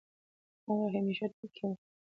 هغه همېشه ټکے وۀ